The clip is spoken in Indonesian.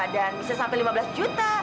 dan bisa sampai rp lima belas juta